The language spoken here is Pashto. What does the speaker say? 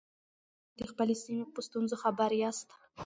آیا تاسو د خپلې سیمې په ستونزو خبر یاست؟